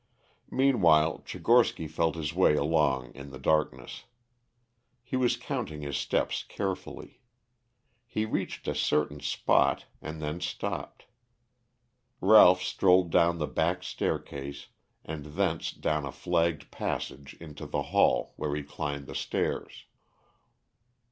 Meanwhile, Tchigorsky felt his way along in the darkness. He was counting his steps carefully. He reached a certain spot and then stopped. Ralph strolled down the back staircase, and thence down a flagged passage into the hall, where he climbed the stairs.